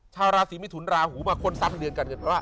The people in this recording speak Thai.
ชาวราศีมิถุนราหูมาคนซ้ำเรือนกัน